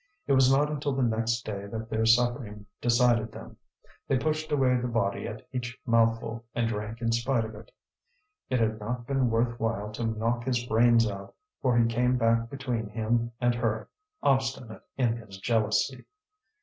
It was not until the next day that their suffering decided them: they pushed away the body at each mouthful and drank in spite of it. It had not been worth while to knock his brains out, for he came back between him and her, obstinate in his jealousy.